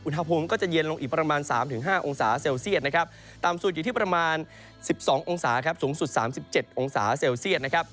อุณหภูมิก็จะเย็นลงอีกประมาณ๓๕องศาเซลเซียตนะครับต่ำสุดอยู่ที่ประมาณ๑๒องศาครับสูงสุด๓๗องศาเซลเซียตนะครับ